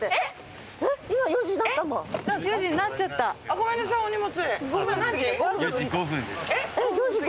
ごめんなさいお荷物。